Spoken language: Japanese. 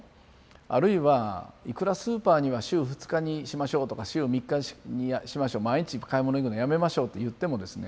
あるいはいくらスーパーには週２日にしましょうとか週３日にしましょう毎日買い物行くのやめましょうといってもですね